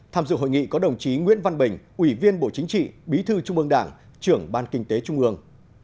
tham dự hội nghị có đồng chí nguyễn văn bình ủy viên bộ chính trị bí thư trung ương đảng trưởng ban kinh tế trung ương